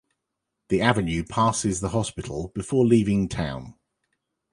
The avenue passes the hospital before leaving town.